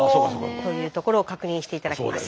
というところを確認して頂きます。